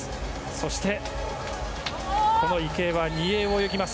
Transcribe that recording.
そして、池江は２泳を泳ぎます。